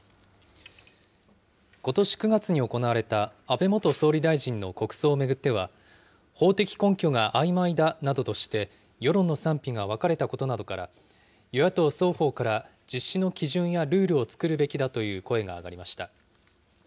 ことし９月に行われた安倍元総理大臣の国葬を巡っては、法的根拠があいまいだなどとして、世論の賛否が分かれたことなどから、与野党双方から実施の基準やルールを作るべきだという声が上がりました。